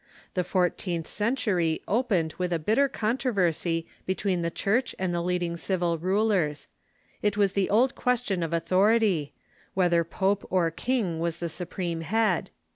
The fourteenth century opened Avith a Litter controversy between the Church and the leading civil rulers. It was the old question of authority — whether pope or king was the supreme head.